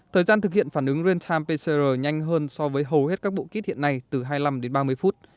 thời gian thực hiện phản ứng real time pcr nhanh hơn so với hầu hết các bộ kỹ thiện này từ hai mươi năm đến ba mươi phút